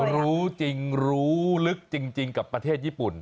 รู้จริงรู้ลึกจริงกับประเทศญี่ปุ่น